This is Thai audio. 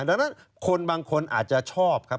ดังนั้นคนบางคนอาจจะชอบครับ